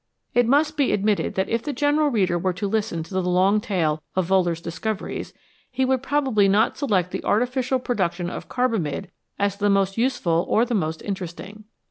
It must be admitted that if the general reader were to listen to the long tale of Wohler's discoveries, he would probably not select the artificial production of carbamide as the most useful or the most interesting.